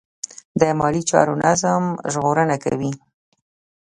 د مالي چارو نظم ژغورنه کوي.